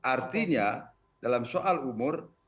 artinya dalam soal umur